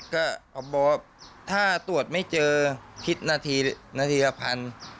ก็บอกว่าถ้าตรวจไม่เจอคิดนาทีนาทีละพัน